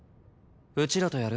うちらとやる？